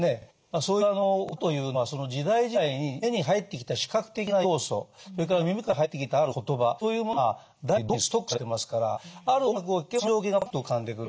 そういう歌というのはその時代時代に目に入ってきた視覚的な要素それから耳から入ってきたある言葉そういうものが大脳の記憶細胞に同時にストックされてますからある音楽を聴けばその情景がパッと浮かんでくる。